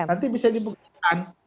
nanti bisa dibuktikan